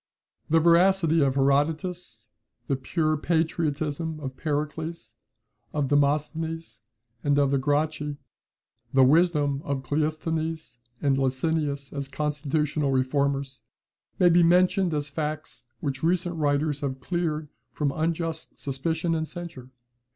The veracity of Herodotus, the pure patriotism of Pericles, of Demosthenes, and of the Gracchi, the wisdom of Cleisthenes and of Licinius as constitutional reformers, may be mentioned as facts which recent writers have cleared from unjust suspicion and censure.